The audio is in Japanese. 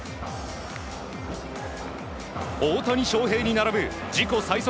大谷翔平に並ぶ自己最速